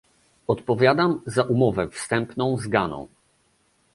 Odpowiadam za umowę wstępną z Ghaną